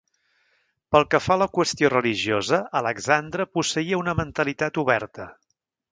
Pel que fa a la qüestió religiosa, Alexandre posseïa una mentalitat oberta.